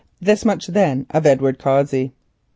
This much then of Edward Cossey.